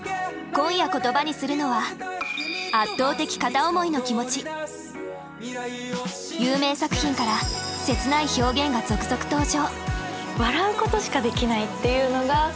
今夜言葉にするのは有名作品から切ない表現が続々登場。